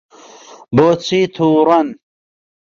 بۆچی تووڕەن؟